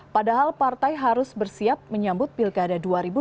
padahal partai harus bersiap menyambut pilkada dua ribu dua puluh